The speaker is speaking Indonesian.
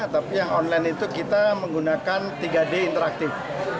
tapi yang online itu kita menggunakan tiga d interaktif